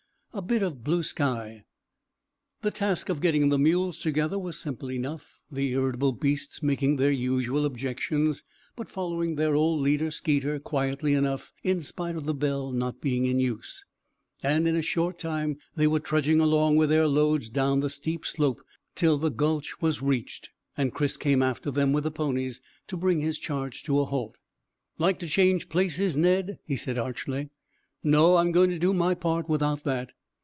A BIT OF BLUE SKY. The task of getting the mules together was simple enough, the irritable beasts making their usual objections, but following their old leader Skeeter quietly enough in spite of the bell not being in use; and in a short time they were trudging along with their loads down the steep slope till the gulch was reached, and Chris came after them with the ponies, to bring his charge to a halt. "Like to change places, Ned?" he said archly. "No; I'm going to do my part without that."